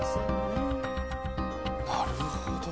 なるほど。